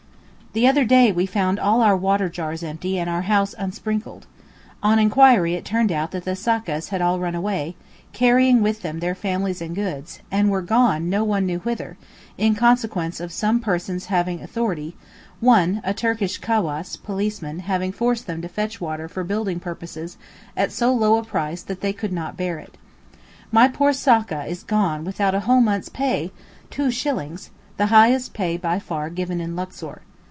The other day we found all our water jars empty and our house unsprinkled. On enquiry it turned out that the sakkas had all run away, carrying with them their families and goods, and were gone no one knew whither, in consequence of some 'persons having authority,' one, a Turkish cawass (policeman), having forced them to fetch water for building purposes at so low a price that they could not bear it. My poor sakka is gone without a whole month's pay—two shillings!—the highest pay by far given in Luxor.